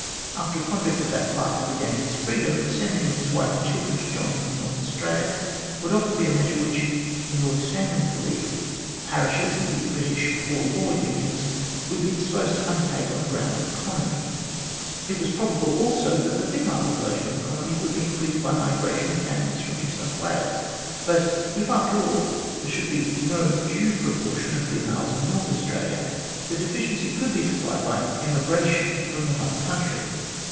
After a convict of that class had regained his freedom, the sending of his wife and children to join him in North Australia would often be a measure, which, in Lord Stanley's belief, parishes and British poor law unions would be disposed to undertake on the ground of economy. It was probable, also, that the female popula tion of the colony would be increased by migration of families from New South Wales. But if, after all, there should still be no due proportion of females in North Australia, the deficiency could be supplied by emigration from the Mother Country.